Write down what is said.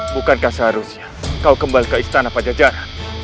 bukankah seharusnya kau kembali ke istana pajajaran